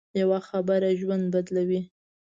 یوه خبره ژوند بدلوي